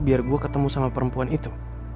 biar gue ketemu sama perempuan itu